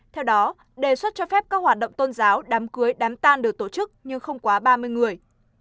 theo đó đề xuất cho phép các hoạt động tôn giáo đám cưới đám tan được tổ chức nhưng không quá ba mươi người